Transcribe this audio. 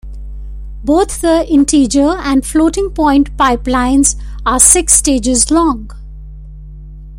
Both the integer and floating-point pipelines are six stages long.